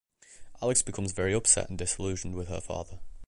Alex becomes very upset and disillusioned with her father.